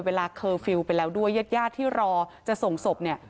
เคอร์ฟิลล์ไปแล้วด้วยญาติญาติที่รอจะส่งศพเนี่ย